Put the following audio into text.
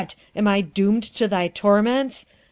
am I doomed to thy torments?